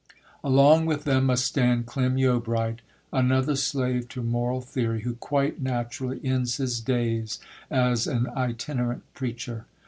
Along with them must stand Clym Yeobright, another slave to moral theory, who quite naturally ends his days as an itinerant preacher.